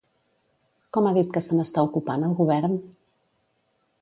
Com ha dit que se n'està ocupant el govern?